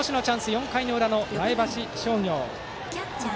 ４回の裏の前橋商業。